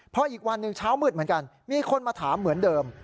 พออีกวันหนึ่งเช้ามืดเหมือนกันมีคนมาถามเหมือนเดิม